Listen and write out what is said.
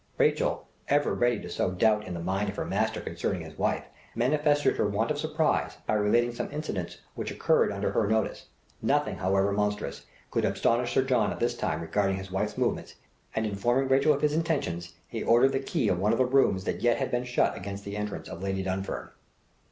Rachel, ever ready to sow doubt in the mind of her master regarding his wife, manifested her want of surprise by relating some incidents which occurred under her notice. Nothing, however monstrous, could astonish Sir John at this time regarding his wife's movements, and informing Rachel of his intention he ordered the key of one of the rooms that yet had been shut against the entrance of Lady Dunfern.